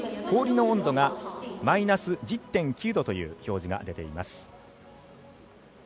氷の温度がマイナス１０．９度。